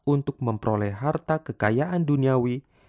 untuk memperoleh harta kekayaan duniawi